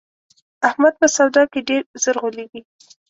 احمد په سودا کې ډېر زر غولېږي.